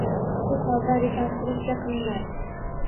Shu holda rekonstruksiya qilinadi.